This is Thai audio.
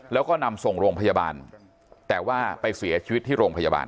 แล้วก็นำส่งโรงพยาบาลแต่ว่าไปเสียชีวิตที่โรงพยาบาล